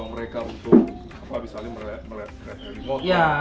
untuk menangkuti pelaku curianifter terbesar awal kar identify